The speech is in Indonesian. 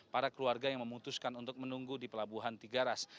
para keluarga yang memutuskan untuk menunggu di pelabuhan tiga ras